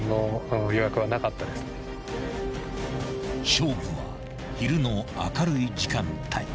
［勝負は昼の明るい時間帯］